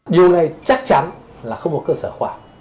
điều này chắc chắn là không có cơ sở khoảng